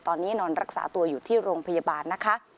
ตอนนี้นอนรักษาตัวอยู่ที่โรงพยาบาลนะคะ